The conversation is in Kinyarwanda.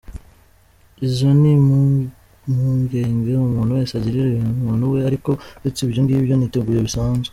Izo ni mpungenge umuntu wese agirira umuntu we, ariko uretse ibyo ngibyo niteguye bisanzwe.